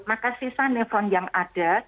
maka sisa nefron yang ada